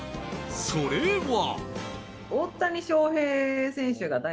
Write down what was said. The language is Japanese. それは。